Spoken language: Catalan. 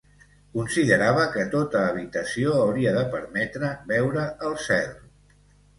Considerava que tota habitació hauria de permetre veure el cel.